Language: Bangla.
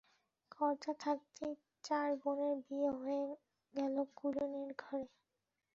কর্তা থাকতেই চার বোনের বিয়ে হয়ে গেল কুলীনের ঘরে।